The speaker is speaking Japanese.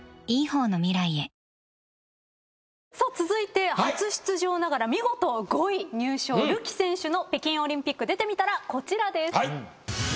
続いて初出場ながら見事５位入賞るき選手の北京オリンピック出てみたら、こちらです。